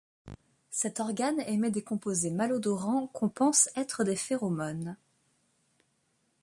Cet organe émet des composés malodorants qu'on pense être des phéromones.